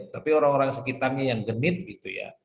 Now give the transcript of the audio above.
tapi orang orang sekitarnya yang genit gitu ya